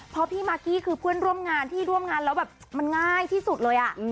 เพราะพี่มากกี้คือเพื่อนร่วมงานที่ร่วมงานแล้วแบบมันง่ายที่สุดเลย